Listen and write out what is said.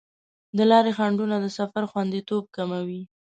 د لارې خنډونه د سفر خوندیتوب کموي.